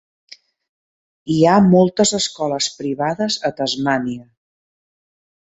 Hi han moltes escoles privades a Tasmània.